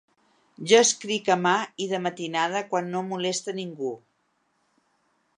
Jo escric a mà i de matinada, quan no molesta ningú.